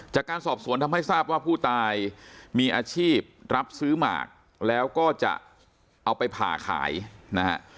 จากการสอบสวนทำให้ทราบว่าผู้ตายมีอาชีพรับซื้อหมากแล้วก็จะเอาไปผ่าขายนะฮะ